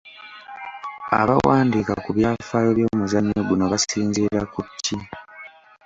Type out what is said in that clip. Abawandiika ku byafaayo by’omuzannyo guno basinziira ku ki?